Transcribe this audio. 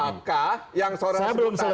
apakah yang seorang sebut tadi